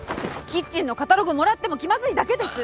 キッチンのカタログもらっても気まずいだけです。